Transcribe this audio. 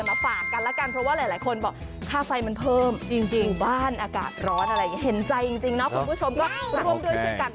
มันเพิ่มจริงบ้านอากาศร้อนอะไรเห็นใจจริงนะคุณผู้ชมก็รวมด้วยกัน